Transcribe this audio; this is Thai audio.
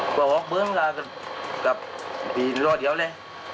บอกว่าพวกเบื้อนก็ว่า